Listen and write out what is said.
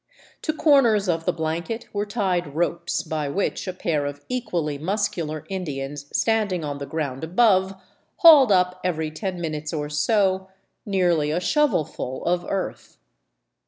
To corners of the blanket were tied ropes, by which a pair )f equally muscular Indians standing on the ground above hauled up ivery ten minutes or so nearly a shovelful of earth.